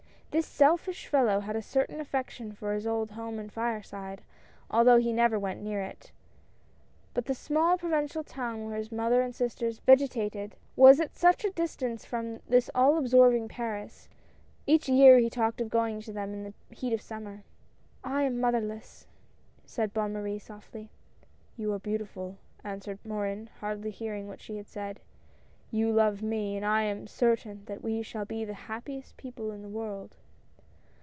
The selfish fellow had a certain affection for his old home and fireside, although he never went near it. But the small provincial town where his mother and sisters vegetated was at such a distance from this all absorb ing Paris — each year he talked of going to them in the heat of summer. " I am motherless," said Bonne Marie softly. " You are beautiful !" answered Morin hardly hear ing what she said ;" you love me, and I am certain that we shall be the happiest people in the world."